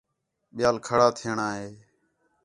ٻِیال کھڑا تھیوݨاں ہِے